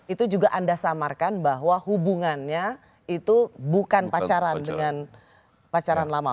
itu juga anda samarkan bahwa hubungannya itu bukan pacaran dengan pacaran lama